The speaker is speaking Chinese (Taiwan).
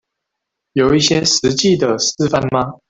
有一些實際的示範嗎